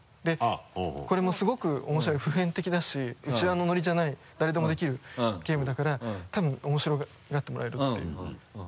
これもすごく面白い普遍的だし内輪のノリじゃない誰ともできるゲームだから多分面白がってもらえるっていううんうん。